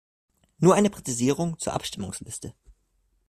Nur eine Präzisierung zur Abstimmungsliste.